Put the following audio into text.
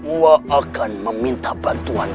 wa akan meminta bantuan